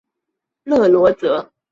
勒罗泽。